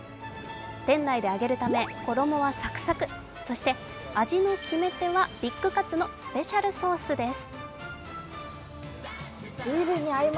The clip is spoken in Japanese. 店内で揚げるため衣はさくさく、そして、味の決め手はビッグカツのスペシャルソースです。